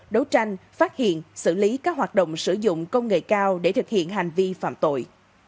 đấu tranh phát hiện xử lý các hoạt động sử dụng công nghệ cao để thực hiện hành vi phạm tội